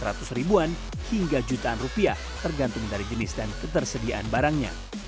seratus ribuan hingga jutaan rupiah tergantung dari jenis dan ketersediaan barangnya